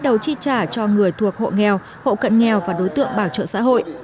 đầu chi trả cho người thuộc hộ nghèo hộ cận nghèo và đối tượng bảo trợ xã hội